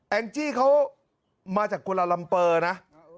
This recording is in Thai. จี้เขามาจากกุลาลัมเปอร์นะ